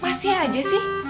masih aja sih